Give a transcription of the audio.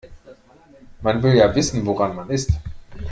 Man will ja wissen woran man ist.